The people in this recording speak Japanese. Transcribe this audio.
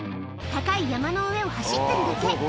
高い山の上を走ってるだけ。